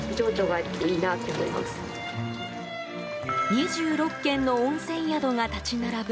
２６軒の温泉宿が立ち並ぶ